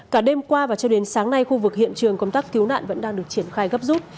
cả đêm qua và cho đến sáng nay khu vực hiện trường công tác cứu nạn vẫn đang được triển khai gấp rút